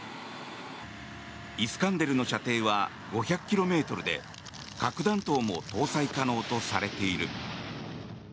イスカンデルの射程は５００ｋｍで核弾頭も搭載可能とされている。